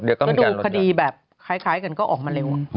เดี๋ยวก็ดูคดีแบบคล้ายคล้ายกันก็ออกมาเร็วอ่ะ